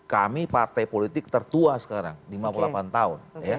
kami partai politik tertua sekarang lima puluh delapan tahun